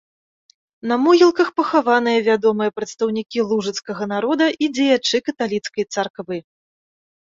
На могілках пахаваныя вядомыя прадстаўнікі лужыцкага народа і дзеячы каталіцкай царквы.